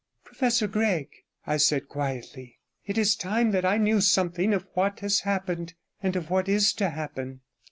'Professor Gregg,' I said quietly, 'it is time that I knew something of what has happened, and of what is to happen.'